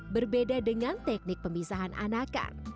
berbeda dengan teknik pemisahan anakan